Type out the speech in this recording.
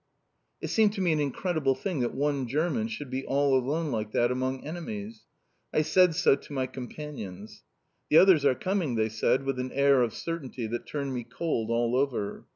It seemed to me an incredible thing that one German should be all alone like that among enemies. I said so to my companions. "The others are coming!" they said with an air of certainty that turned me cold all over.